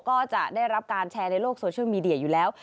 ก็จะได้รับการแชร์ในโลกโซเชียลมีเดียอยู่แล้ว